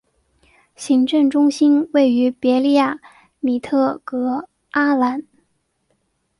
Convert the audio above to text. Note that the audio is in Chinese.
行政中心位于别利亚米特格阿兰。